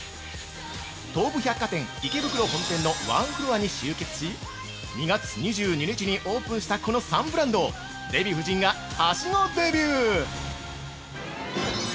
東武百貨店池袋本店のワンフロアに集結し２月２２日にオープンしたこの３ブランドをデヴィ夫人がはしごデビュー！